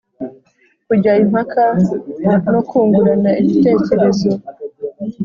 kujya impaka no kungurana ibitekerezo